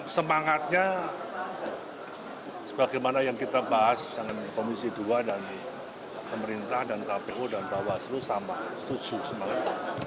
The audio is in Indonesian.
semangatnya sebagaimana yang kita bahas dengan komisi dua dan pemerintah dan kpu dan bawaslu sama setuju semangat